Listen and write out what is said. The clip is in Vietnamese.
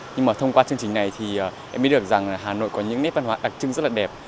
nhưng mà thông qua chương trình này thì em biết được rằng hà nội có những nét văn hóa đặc trưng rất là đẹp